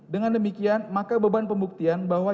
dengan demikian maka beban pembuktian bahwa